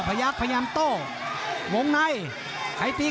ภูตวรรณสิทธิ์บุญมีน้ำเงิน